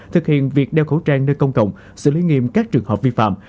thực hiện việc đeo khẩu trang nơi công cộng xử lý nghiêm các trường hợp vi phạm